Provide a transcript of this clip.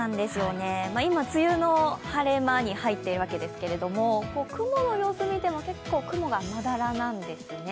今、梅雨の晴れ間に入っているわけですが、雲の様子見ても結構雲がまだらなんですね。